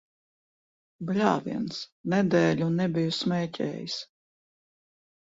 Bļāviens! Nedēļu nebiju smēķējis.